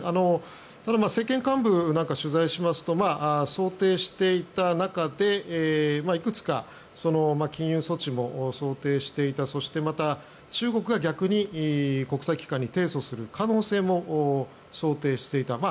ただ政権幹部なんかを取材しますと想定していた中でいくつか禁輸措置も想定していたそしてまた、中国が逆に国際機関に提訴する可能性も想定していた。